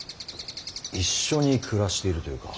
一緒に暮らしているというか。